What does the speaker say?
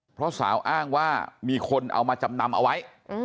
เพราะสาวอ้างว่ามีคนเอามาจำนำเอาไว้